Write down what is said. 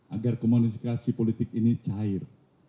agar komunikasi politik ini cair